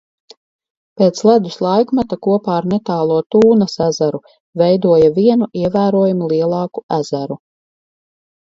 Pēc ledus laikmeta kopā ar netālo Tūnas ezeru veidoja vienu, ievērojami lielāku ezeru.